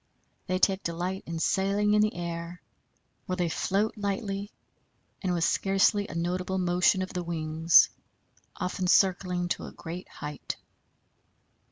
They take delight in sailing in the air, where they float lightly and with scarcely a notable motion of the wings, often circling to a great height.